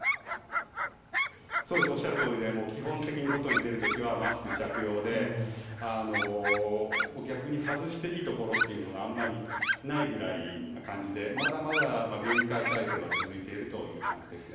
そうですおっしゃるとおりで基本的に外に出る時はマスク着用で逆に外していいところというのがあまりないくらいな感じでまだまだ厳戒態勢は続いているという感じです。